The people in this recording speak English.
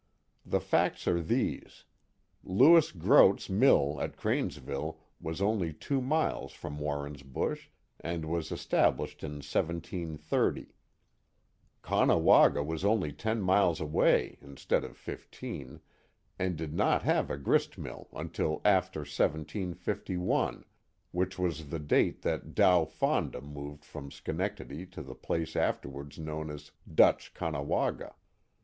The facts are these: Lewis Groot's mill at Cranesville was only two miles from Warrensbush, and was established in 1730. Caughnawaga was only ten miles away, instead of fifteen, and did not have a grist mill until after 1751, which was the date that Dowe Fonda moved from Schenectady to the place after wards known as Dutch Caughnawaga.